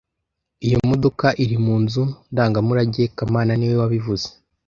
Iyo modoka iri mu nzu ndangamurage kamana niwe wabivuze